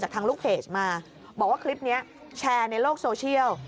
ทางลูกเพจมาบอกว่าคลิปนี้แชร์ในโลกโซเชียล